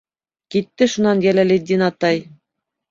Китте шунан «Йәләлетдин атай».